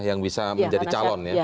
yang bisa menjadi calon ya